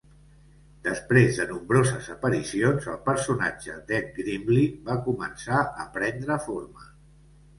Després de nombroses aparicions el personatge d'Ed Grimley va començar a prendre forma.